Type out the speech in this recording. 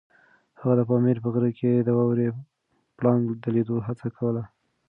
هغه د پامیر په غره کې د واورې پړانګ د لیدو هڅه کوله.